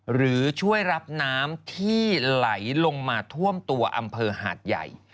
หรือช่วยรับน้ำที่ไหลลงมาท่วมตัวอำเภอหาดใหญ่